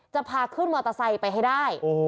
จะพาขึ้นมอเตอร์ไซค์ไปให้ได้